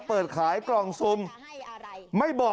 เออ